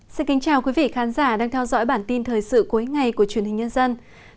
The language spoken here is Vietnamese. chào mừng quý vị đến với bản tin thời sự cuối ngày của truyền hình nhân dân